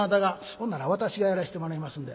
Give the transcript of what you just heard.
「ほんなら私がやらしてもらいますんで」。